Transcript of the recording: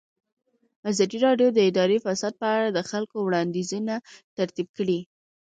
ازادي راډیو د اداري فساد په اړه د خلکو وړاندیزونه ترتیب کړي.